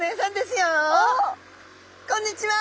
こんにちは！